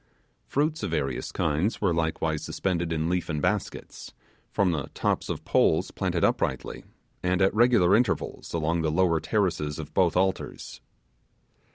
Fruits of various kinds were likewise suspended in leafen baskets, from the tops of poles planted uprightly, and at regular intervals, along the lower terraces of both altars.